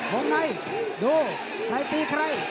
วงในดูใครตีใคร